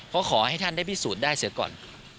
เพราะขอให้ท่านได้พิสูจน์ได้เสียก่อน